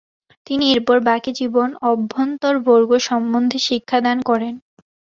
তিনি এরপর বাকি জীবন অভ্যন্তরবর্গ সম্বন্ধে শিক্ষাদান করেন।